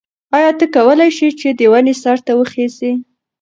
ایا ته کولای شې چې د ونې سر ته وخیژې؟